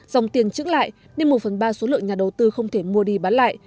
dòng tiền trứng lại nên một phần ba số lượng nhà đầu tư không thể mua đi bán lại